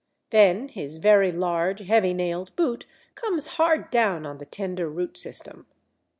Then his very large, heavy nailed boot comes hard down on the tender root system.